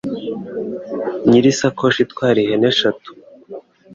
nyir'isakoshi itwara ihene eshatu